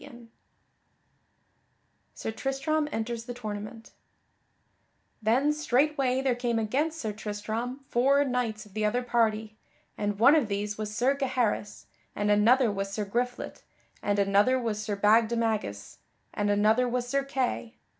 [Sidenote: Sir Tristram enters the tournament] Then straightway there came against Sir Tristram four knights of the other party, and one of these was Sir Gaheris, and another was Sir Griflet and another was Sir Bagdemagus and another was Sir Kay.